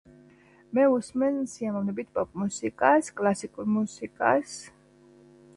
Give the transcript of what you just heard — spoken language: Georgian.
მე ვუსმენ სიამოვნებით პოპ მუსიკას, კლასიკურ მუსიკას .